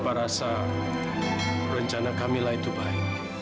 papa rasa rencana kamila itu baik